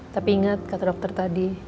tapi ingat kata dokter tadi